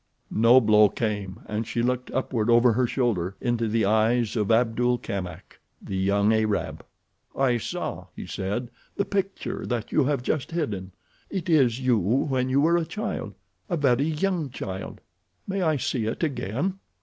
No blow came and she looked upward over her shoulder—into the eyes of Abdul Kamak, the young Arab. "I saw," he said, "the picture that you have just hidden. It is you when you were a child—a very young child. May I see it again?"